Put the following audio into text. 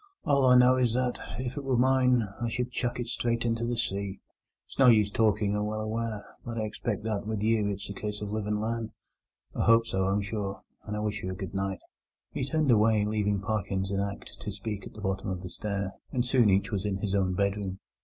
All I know is that, if it were mine, I should chuck it straight into the sea. It's no use talking, I'm well aware, but I expect that with you it's a case of live and learn. I hope so, I'm sure, and I wish you a good night." He turned away, leaving Parkins in act to speak at the bottom of the stair, and soon each was in his own bedroom.